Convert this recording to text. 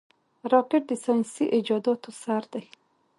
راکټ د ساینسي ایجاداتو سر دی